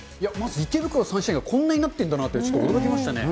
池袋サンシャインがこんなになってるんだなって、ちょっと驚きましたね。